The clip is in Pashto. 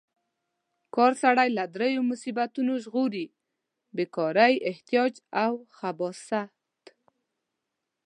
کار سړی له دریو مصیبتونو ژغوري: بې کارۍ، احتیاج او خباثت.